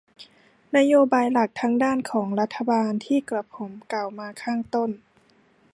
นโยบายหลักทั้งด้านของรัฐบาลที่กระผมกล่าวมาข้างต้น